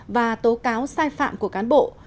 và tố cáo sai phạm của cán bộ